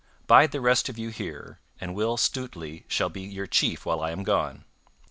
Bide the rest of you here, and Will Stutely shall be your chief while I am gone."